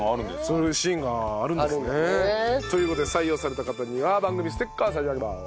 そういうシーンがあるんですね。という事で採用された方には番組ステッカー差し上げます。